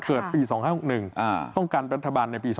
เกิดปี๒๕๖๑ต้องการรัฐบาลในปี๒๕